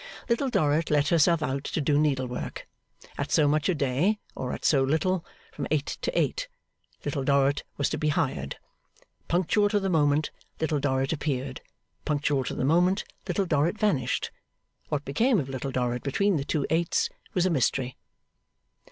Little Dorrit let herself out to do needlework. At so much a day or at so little from eight to eight, Little Dorrit was to be hired. Punctual to the moment, Little Dorrit appeared; punctual to the moment, Little Dorrit vanished. What became of Little Dorrit between the two eights was a mystery.